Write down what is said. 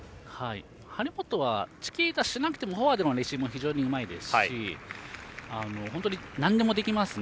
張本はチキータしなくてもフォアでのレシーブも非常にうまいですし本当になんでもできますね。